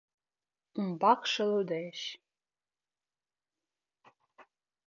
Умбакше лудеш.